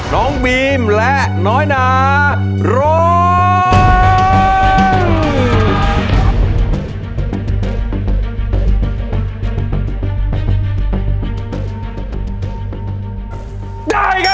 น้องบีมและน้อยนาร้อง